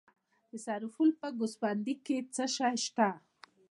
د سرپل په ګوسفندي کې څه شی شته؟